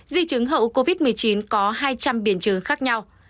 di chứng hậu covid một mươi chín có hai trăm linh biến chứng khác nhau